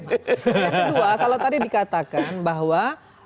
yang kedua kalau tadi dikatakan bahwa